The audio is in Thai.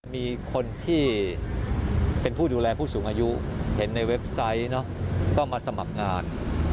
มีคนที่เป็นผู้ดูแลผู้สูงอายุเห็นในเว็บไซต์ก็มาสมัครงาน